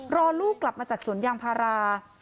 รอลูกกลับมาจากสวนยางพารา